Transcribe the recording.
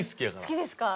好きですか？